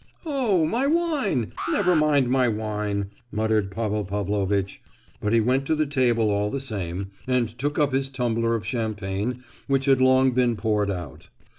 "Oh, my wine—never mind my wine!" muttered Pavel Pavlovitch; but he went to the table all the same, and took up his tumbler of champagne which had long been poured out.